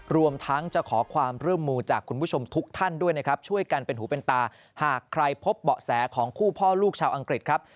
รวมทั้งจะขอความร่วมมือจากคุณผู้ชมทุกท่านด้วยนะครับช่วยกันเป็นหูเป็นตาหากใครพบเบาะแสของคู่พ่อลูกชาวอังกฤษครับ